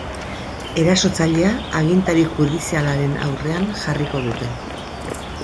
Erasotzailea agintari judizialaren aurrean jarriko dute.